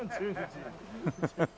ハハハハ。